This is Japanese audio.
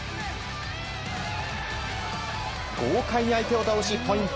豪快に相手を倒しポイント。